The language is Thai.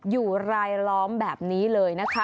อยู่รายล้อมแบบนี้เลยนะคะ